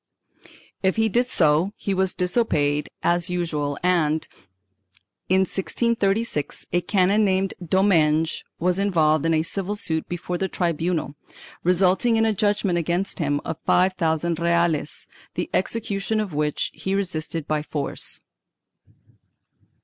1 If he did so, he was disobeyed as usual and, in 1636, a canon named Domenge was involved in a civil suit before the tribunal, resulting in a judgement against him of five thousand reales, the execution of which he resisted by force.